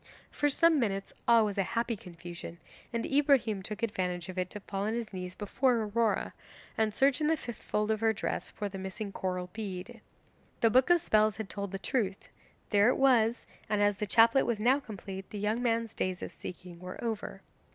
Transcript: For some minutes all was a happy confusion, and Ibrahim took advantage of it to fall on his knees before Aurora, and search in the fifth fold of her dress for the missing coral bead. The Book of Spells had told the truth; there it was, and as the chaplet was now complete the young man's days of seeking were over.